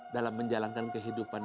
dalam menjalankan kehidupan